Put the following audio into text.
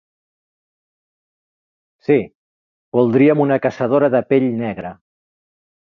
Sí, voldríem una caçadora de pell negra.